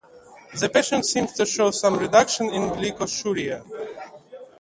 The patients seemed to show some reduction in glycosuria.